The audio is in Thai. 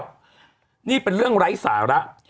นี่เป็นเรื่องไร้สาระ